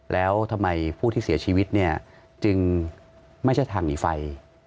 แล้วทำไมผู้ที่เสียชีวิตจึงไม่ใช่ทางหนีไฟ